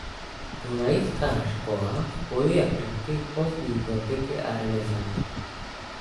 Dunajská škola spojuje prvky pozdní gotiky a renesance.